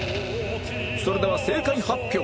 それでは正解発表